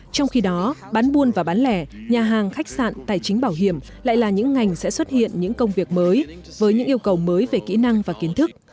trong khi đó bán buôn và bán lẻ nhà hàng khách sạn tài chính bảo hiểm lại là những ngành sẽ xuất hiện những công việc mới với những yêu cầu mới về kỹ năng và kiến thức